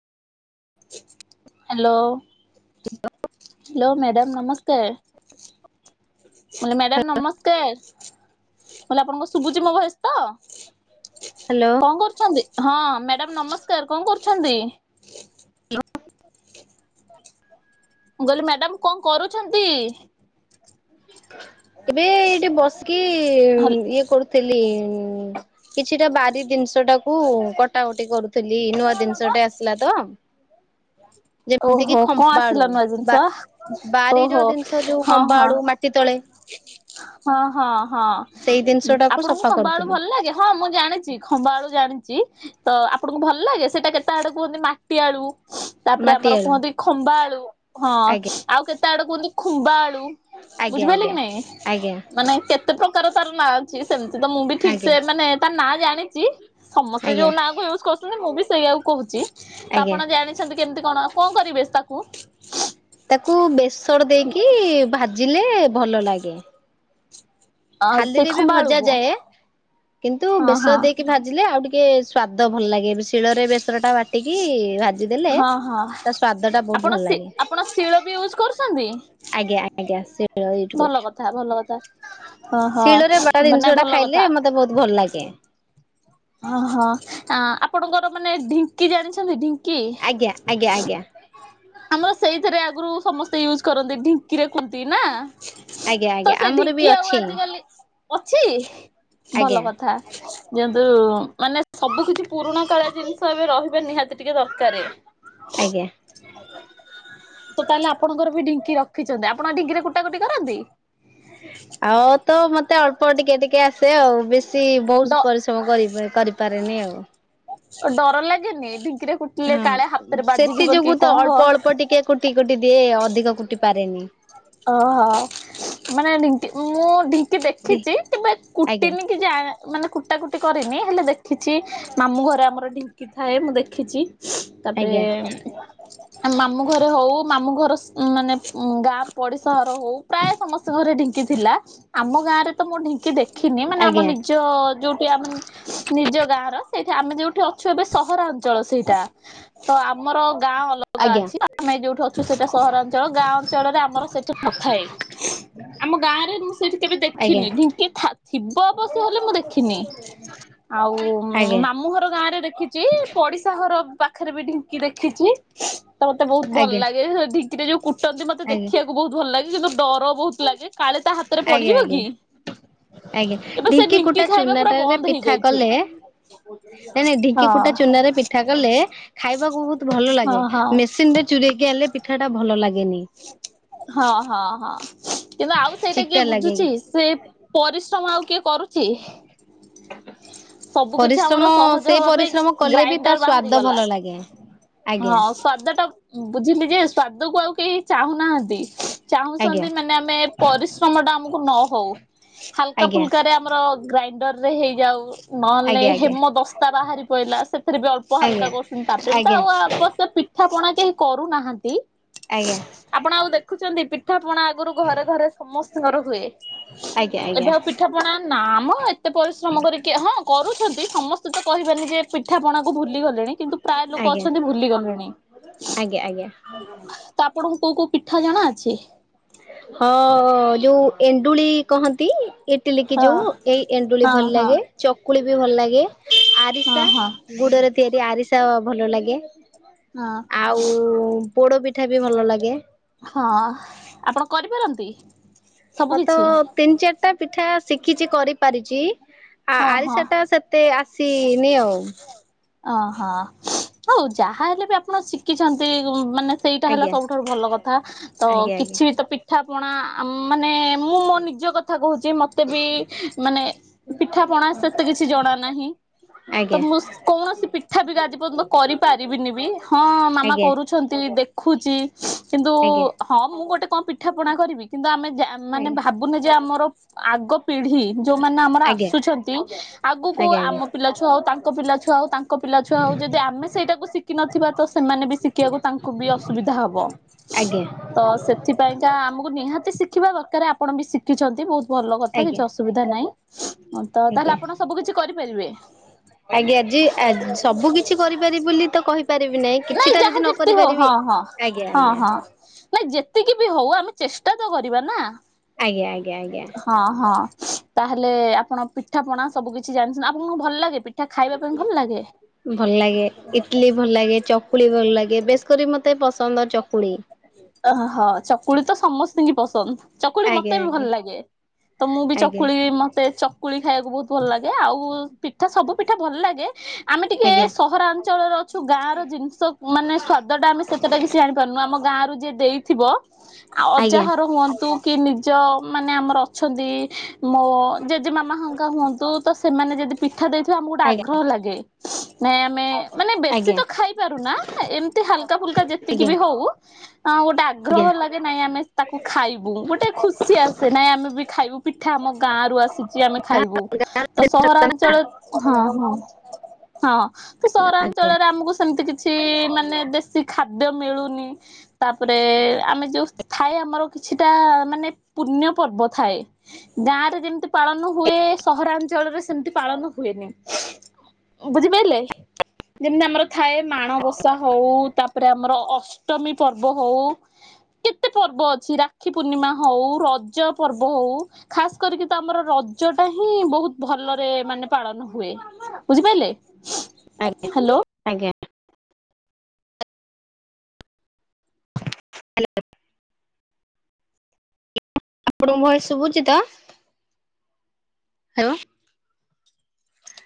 Hello, hello madam ନମସ୍କାର। Madam ନମସ୍କାର। ମୁଁ କହିଲି ଆପଣଙ୍କ ଶୁଭୁଛି ମୋ ଭଏସ୍ ତ ହ୍ୟାଲୋ କଣ କରୁଛନ୍ତି? ହଁ। ମ୍ୟାଡାମ ନମସ୍କାର କଣ କରୁଛନ୍ତି? ମୁଁ କହିଲି ମ୍ୟାଡାାମ କଣ କରୁଛନ୍ତି? ଏବେ ଏଇଠି ବସିକି ଇଏ କରୁଥିଲି ଉଁ କିଛିଟା ବାରି ଜିନିଷ ଟାକୁ କଟାକଟି କରୁଥିଲି ନୂଆ ଜିନିଷଟେ ଆସିଲା ତ। ଯେମିତି କି ଓହୋ କଣ ଖମ୍ବାଳୁ ଆସିଲା ନୂଆ ଜିନିଷ ବା ବାରିର ଓହୋ ଜିନିଷ ଯୋଉ ହଁ ହଁ ଖମ୍ବାଳୁ ମାଟି ତଳେ। ହଁ ହଁ ହଁ। ସେଇ ଜିନିଷ ଟାକୁ ଆପଣଙ୍କୁ ସଫା ଖମ୍ବ ଆଳୁ କରୁଥିଲୁ ଭଲ ଲାଗେ ହଁ ମୁଁ ଜାଣିଛି ଖମ୍ବ ଆଳୁ ଜାଣିଛି ତ ଆପ ଆପଣଙ୍କୁ ଭଲ ଲାଗେ ସେଇଟା କେତେ ଆଡୁ କୁହନ୍ତି ମାଟି ଆଳୁ ତାପରେ ମାଟି ଆମର ଆଳୁ କୁହନ୍ତି ଖମ୍ବା ଆଳୁ ହଁ ଆଜ୍ଞା ଆଉ କେତେ ଆଡେ କୁହନ୍ତି ଖୁମ୍ବା ଆଳୁ ଆଜ୍ଞ ବୁଝିପାରିଲେ ଆଜ୍ଞା। ନାଇଁ ଆଜ୍ଞା ମାନେ କେତେ ପ୍ରକାର ତାର ନାଁ ଅଛି ସେମିତି ତ ମୁଁ ବି ଠିକ ଆଜ୍ଞା ସେ ମାନେ ତାର ନାଁ ଜାଣିଛି। ସମସ୍ତେ ଆଜ୍ଞା ଯୋଉ ନା କ ୟୁଜ କରୁଛନ୍ତି ମୁଁ ବି ସେଇଆାକୁ କହୁଛି ତ ଆଜ୍ଞା ଆପଣ ଜାଣିଛନ୍ତି କେମିତି କଣ କଣ କରିବେ ତାକୁ ତାକୁ ବେସଣ ଦେଇକି ଭାଜିଲେ ଭଲ ଲାଗେ। ଅ ସେ ଖାଲିରେ ବି ଖମ୍ବା ଭଜା ଆଳୁକୁ ଯାଏ କିନ୍ତୁ ହଁ ବେଶଣ ହଁ ଦେଇକି ଭାଜିଲେ ଆଉ ଟିକେ ଟିକେ ସ୍୍ୱାଦ ଭଲ ଲାଗେ ଶିଳରେ ବେସର ଟା ବାଟିକି ଭା ହଁ ହଁ ଆପଣ ଲାଗେ ଆପଣ ଶିଳ ବି ୟୁଜ କରୁଛନ୍ତି। ଆଜ୍ଞା ଆଜ୍ଞା ସେ ଭଲ କଥା ଭଲ କଥା ଓହୋ ଶିଳରେ ବା ମାନେ ଜିନିଷ ଟା ଭଲ ଖାଇଲେ କଥା। ମତେ ବହୁତ ଭଲ ଲାଗୁ ଗେ। ହଁ ହଁ ଆପଣଙ୍କର ମାନେ ଢିଙ୍କି ଜାଣିଛନ୍ତି ଢି କି ଆଜ୍ଞା ଆଜ୍ଞା ଆଜ୍ଞା। ଆମର ସେଇଥିରେ ଆଗରୁ ସମସ୍ତେ ୟୁଜ୍ କରନ୍ତି ଢିଙ୍କିରେ ରଖନ୍ତି ନା ଆଜ୍ଞା ଆଜ୍ଞା ତ ସେ ଆମର ବି ଢିଙ୍କି ଆଉ ଅଛି ଆଜିକାଲି ଅଛି ଭଲ ଆଜ୍ଞା କଥା ଯେହନ୍ତୁ ମାନେ ସବୁ କିଛି ପୁରୁଣା କାଳା ଜିନିଷ ଏବେ ରହିବା ନିହାତି ଟିକେ ଦରକାର। ଆଜ୍ଞା। ତ ତାହେଲେ ଆପଣଙ୍କର ବି ଢିଙ୍କି ରଖିଛନ୍ତି ଆପଣ ଢିଙ୍କିରେ କୁଟା କୁଟି କରନ୍ତି। ଆଉ ତ ମତେ ଅଳ୍ପ ଟିକେ ଟିକେ ଆସେ ଆଉ ବେଶୀ ବହୁତ ଡ ପରିଶ୍ରମ କରି କରିପାରେନି ଆଉ। ଡର ଲାଗେନି ଏଠି? ଚକିରେ କୁଟିଲେ ହଁ କାଳେ ହାତରେ ସେଥି ବାଜିଯିବ କି ଯୋଗୁ ତ କଣ ଅଳ୍ପ ହବ? ଅଳ୍ପ ଟିକେ କୁଟି କୁଟି ଦିଏ ଅଧିକ କୁଟି ପାରେନି। ଅହ ମାନେ ମୁଁ ଢିଙ୍କ କି ଦେଖିଛି, କେବେ ଆଜ୍ଞା କୁଟିନି କି ଯା ମାନେ କୁଟା କୁଟି କରିନି ହେଲେ ଦେଖ ଦେଖିଛି ମାମୁଁ ଘରେ ଆମର ଢିଙ୍କି ଥାଏ, ମୁଁ ଦେଖିଛି। ତାପରେ ଆଜ୍ଞା। ମାମୁଁ ଘରେ ହଉ ମାମୁଁ ଘର ମାନେ ଗାଁଆ ପଡିଶାର ହଉ ପ୍ରାୟ ସମସ୍ତେ ଘରେ ଢିଙ୍କି ଥିଲା। ଆମ ଗାଁ ରେ ତ ମୋ ଢିଙ୍କି କି ଦେଖିନି, ମାନେ ଆମ ଆଜ୍ଞା ନିଜ ଯୋଉଠି ଆମ ନିଜ ଗାଁର ସେଇଠି ଆମେ ଯୋଉଠି ଅଛୁ ଏବେ ସହରାଞ୍ଚଳ ସେଇଟା। ତ ଆମର ଗାଁ ଅଲଗା ଆଜ୍ଞା ଅଛି, ଆମେ ଯୋଉଠୁ ଅଛୁ ସେଇଟା ସହରାଞ୍ଚଳ। ଚଳ ଗାଁ ଅଞ୍ଚଳରେ ଆମର ସେଠି ନଥାଏ ଆମ ଗାଁ ରେ ମୁଁ ସେଇଠି କେବେ ଆଜ୍ଞା ଦେଖିନି ଢଙ୍କି ଥା ଥିବ ପଶୁ ହେଲେ ମୁଁ ଦେଖିନି। ଆଉ ଆଜ୍ଞା ମାମୁଁ ଘର ଗାଁ ରେ ଦେଖିଛି। ପଡିଶା ଘର ପା ପାଖରେ ବି ଢିଙ୍କି ଦେଖିଛି। ତ ମତେ ବହୁତ ଆଜ୍ଞା ଭଲ ଆଜ୍ଞା ଲାଗେ ଢିଙ୍କିରେ ଯୋଉ କୁଟନ୍ତି ମତେ ଦେଖି ଆଜ୍ଞା ଦେଖିବାକୁ ବହୁତ ଭଲ ଲାଗେ କିନ୍ତୁ ଡର ବହୁତ ଲାଗେ କାଳେ ତା ହାତରେ ପଡିଯିବ ଆଜ୍ଞା କି? ଆଜ୍ଞା ଏବେ ସେ ଢିଙ୍କି କୁଟା ଖାଇବା ପୁରା ଚୁନାଟାରେ ବନ୍ଦ ପିଠା ହେଇଯାଇଛି। କଲେ ନାଇଁ ନାଇଁ ଢ଼ିଙ୍କି ହଁ। କୁଟା ଚୁନାରେ ପିଠା କଲେ, ଖାଇବାକୁ ବହୁତ ଭଲ ଲାଗେ। ହଁ ହଁ ମେସିନରେ ଯୋ ଚରେ ଆଇଲେ ଭଲ ଲାଗେ। ହଁ ହଁ ହଁ। ଆଉ ସେଇଟା ଚିକଟା କିଏ ଲାଗେ ବୁଝୁଛି, ସେ ପରିଶ୍ରମ ଆଉ କିଏ କରୁଛି? ସବୁ କିଛି ପରିଶ୍ରମ ଆମର ସହଜ ସେ ହବା ପାଇଁ ପରିଶ୍ରମ କଲେ ବି ତା ଗ୍ରାଇଣ୍ଡର ସ୍ଵାଦ ବାହାରିଗଲା। ଭଲ ଲାଗେ। ଆଜ୍ଞା ହଁ ସ୍ଵାଦ ଟା, ବୁଝିଲି ଯେ ସ୍ଵାଦକୁୁ ଆଉ କେହି ଚାହୁଁନାହାନ୍ତି। ଆଜ୍ଞା ଚାହୁଁଛନ୍ତି ମାନେ ଆମେ ପରିଶ୍ରମ ଟା ଆମକୁ ନ ହଉ ହାଲକା ଆଜ୍ଞା ଫୁଲକାରେ ଆମର ଗ୍ରାଇଣ୍ଡରରେ ହେଇଯାଉ। ନହେଲେ ଆଜ୍ଞା ହେମଦସ୍ତା ବାହାରି ପଡିଲା। ସେ ସେଥିରେ ବି ଅଳ୍ପ ହାଲକା ଆଜ୍ଞା କରୁଛନ୍ତି ତାପରେ ବି ତ ଆଜ୍ଞା ଆଉ ଅବଶ୍ୟ ପିଠା ପଣା କେହି କରୁନାହାନ୍ତି। ଆଜ୍ଞା ଆପଣ ଆଉ ଦେଖୁଛନ୍ତି ପିଠା ପଣା ଆଗରୁ ଘରେ ଘରେ ସମସ୍ତଙ୍କର ହୁଏ ଆଜ୍ଞା ଆଜ୍ଞା ଆଜ୍ଞା ଏବେ ଆଉ ପିଠା ପଣା ନାମ ଏତେ ପରିଶ୍ରମ କରି କରୁଛନ୍ତି ସମସ୍ତେ ତ କହିବେନି ଯେ ପିଠା ପଣାକୁ ଭୁଲି ଗଲେଣି କିନ୍ତୁ ପ୍ରାୟ ଆଜ୍ଞା ଲୋକ ଆଜ୍ଞା ଅଛନ୍ତି ଭୁଲି ଗଲେଣି। ଆଜ୍ଞା ଆଜ୍ଞା। ତା ଆପଣଙ୍କୁ କୋଉ କୋଉ ପିଠା ଜଣା ଅଛି? ହଁ ଯୋଉ ଏଣ୍ଡୁଳି କହନ୍ତି। ଇଟିଲି କିି ହଁ ଯୋଉ ଏଇ ଏଣ୍ଡୁଳି ହଁ ଭଲ ହଁ ଲାଗେ, ଚକୁଳି ବି ଭଲ ଲାଗେ। ହଁ ଆରିସା ହଁ ଗୁଡରେ ତିଆରି ଆରିସା ଭଲ ଲାଗେ। ହଁ। ଆଉ ପୋଡପିଠା ବି ଭଲ ଲାଗେ। ହଁ, ଆପଣ କରିପାରନ୍ତି? ସବୁ ହଁ ତ କିଛି ତିନି ଚାରିଟା ପିଠା ଶିଖିଛି କରିପାରିଛି। ଆ ହଁ ହଁ। ଆରିସା ଟା ସେତେ ଆସିନି ଆଉ ଅହଁ ହଉ ଯାହା ହେଲେ ବି ଆପ୍ ଆପଣ ଶିଖିଛନ୍ତି ମାନେ ସେଇଟା ହେଲା ଆଜ୍ଞା ସବୁଠାରୁ ଭଲ କଥା ତ ଆଜ୍ଞା ଆଜ୍ଞା। କିଛି ବି ତ ପି ପିଠାପଣା ମାନେ ମୁଁ ମୋ ନିଜ କଥା କହୁଛି, ମୋତେ ବି ମାନେ ପିଠାପଣା ସେତେ କିଛି ଜଣା ନାହିଁ। ତ ଆଜ୍ଞା ମୁଁ କୌଣସି ପିଠା ବି ଆଜି ପର୍ଯ୍ୟନ୍ତ କରିପାରିବିନିବି ହଁ ମାମା ଆଜ୍ଞା କରୁଛନ୍ତି ଦେଖ ଖୁଚି କିନ୍ତୁ ଆଜ୍ଞା ଆଜ୍ଞା ହଁ ମୁଁ ଗୋଟେ କଣ ପିଠା ପଣା କରିବି କିନ୍ତୁ ଆମେ ଜା ମାନେ ଭାବୁନେ ଯେ ଆମର ଆଗ ପିଢି ଯୋଉମାନେ ଆମର ଆଜ୍ଞା ଆ ଆଜ୍ଞା ସୁଛନ୍ତି ଆଗକୁ ଆମ ପିଲା ଛୁଆ ହଉ ତାଙ୍କ ପିଲାଛୁଆ ହଉ ତାଙ୍କ ପିଲାଛୁଆ ହଉ ଯଦି ଆମେ ସେଇଟାକୁ ଶିଖିନଥିବା ତ ସେମାନେ ବି ଶିଖିବାକୁ ତାଙ୍କୁ ବି ଅସୁବିଧା ହବ ଆଜ୍ଞା ଆଜ୍ଞା ଆଜ୍ଞା। ତ ସେଥିପାଇଁ କା ଆମକୁ ନିହାତି ଶିଖିବା ଦରକାର। ଆପଣ ବି ଶିଖିଛନ୍ତି ବହୁତ ଭଲ କଥା କିଛି ଅସୁବିଧା ନାହିଁ ତ, ତାହେଲେ ଆଜ୍ଞା। ଆପଣ ସବୁ କିିଛି କରିପାରିବେ। ଆଜ୍ଞା ଜେ ଆ ସବୁ କିଛି କରିପାରିବି ବୋଲି ତ କହିପାରିବି ନାହିଁ ନାଇଁ କିଛିଟା ଯଦି ଯାହା ନ ଯେମିତି କରି ହଉ ପାରିବି ହଁ ହଁ ହଁ ନାଇଁ ଯେତିକି ବି ହଉ ଆମେ ଚେଷ୍ଟା ତ କରିବା ନା? ଆଜ୍ଞା ଆଜ୍ଞା ଆଜ୍ଞା। ହଁ ହଁ। ତାହେଲେ ଆପଣ ପିଠାପଣା ସବୁ କିିଛି ଜାଣିଛ ଆପଣଙ୍କୁ କଣ ଭଲ ଲାଗେ ପିଠା ଖାଇବା ପାଇଁ ଭଲ ଲାଗେ? ଭଲ ଲାଗେ ଇଟଲି ଭଲ ଲାଗେ ଚକୁଳି ଭଲ ଲାଗେ ବେଶ କରି ମତେ ପସ ଅହଁ ଚକୁଳି ତ ସମସ୍ତଙ୍କୁ ପସନ୍ଦ। ଚକୁଳି ଆଜ୍ଞା ମତେ ବି ଭଲ ଆଜ୍ଞା ଲାଗେ ତ ମୁଁ ବି ଆଜ୍ଞା ଚକୁଳି ମତେ ଚକ ଖାଇବାକୁ ବହୁତ ଭଲ ଲାଗେ ଆଉ ପିଠା ସବୁ ପିଠା ଭଲ ଲାଗେ ଆମେ ଟିକେ ଆଜ୍ଞା। ସହରାଞ୍ଚଳରେ ଅଛୁ ଗାଁ ର ଜିନିଷ ମାନେ ସ୍ଵାଦ ଟା ଆମେ ସେତଟା କିସି ଜାଣିପାରୁନୁ ଆମ ଗାଁ ର ଯିଏ ଦେଇଥିବ ଆଉ ଆଜ୍ଞା ଆଜ୍ଞା ଅଜାହର ହୁଅନ୍ତୁ କି ନିଜ ମାନେ ଆମର ଅଛନ୍ତି ମୋ ଜେଜେ ମାମା ହଙ୍କା ହୁଅନ୍ତୁ ତ ସେମାନେ ଯଦି ପିଠା ଦେଇଥିବେ ଆମକୁ ଗୋଟେ ଆଜ୍ଞା ଆଗ୍ରହ ଲାଗେ। ନାଇଁ ଆମେ ମାନେ ବେଶୀ ଆଜ୍ଞା ତ ଖାଇପାରୁନା ଏମତି ହାଲକା ଫୁଲକା ଯେ ଏତିକି ଆଜ୍ଞା। ବି ହଉ ଗୋଟେ ଆଗ୍ରହ ଲାଗେ ନାଇଁ ଆମେ ତାକୁ ଖାଇବୁ ଗୋଟେ ଖୁସି ଆସେ ନାଇଁ ନାଇ ଆମେ ବି ଖାଇବୁ ପିଠା ଆମ ଗାଁରୁ ଆସ। ଛି ଆମେ ଖାଇବୁ ଆଜ୍ଞା ତ ସହରାଞ୍ଚଳ ହଁ ହଁ। ହଁ ତ ଆଜ୍ଞା ସହରାଞ୍ଚଳରେ ଆମକୁ ସେମିତି କିଛି ମାନେ ଦେଶୀ ଖାଦ ଦ୍ୟ ମିଳୁନି ତାପରେ ଆମେ ଯୋଉ ଥାଏ ଆମର କିଛିଟା ମାନେ ପୁଣ୍ୟ ପର୍ବ ଥାଏ ଗାଁ ରେ ଯେମିତି ପାଳନ ହୁଏ ସହରାଞ୍ଚଳରେ ସେମିତି ପାଳନ ହୁଏନି। ବୁଝିପାରିଲେ ଯେମିତି ଆମର ଥାଏ ମାଣବସା ହଉ ତା ତାପରେ ଆମର ଅଷ୍ଟମୀ ପର୍ବ ହଉ କେତେ ପର୍ବ ଅଛି ରାକ୍ଷୀ ପୂର୍ଣ୍ଣିମା ହଉ। ରଜ ପର୍ବ ହଉ ଖାସ କରିକି ତ ଆମର ରଜ ଟା ହିଁ ବହୁତ ଭଲରେ ମାନେ ପାଳନ ହୁଏ ବୁଝିପାରିଲେ ହ୍ୟାଲୋ ଆଜ୍ଞା [unintelligible] ଆପଣଙ୍କୁ ଭଏସ ଶୁଭୁଛି ତ? [unintelligible]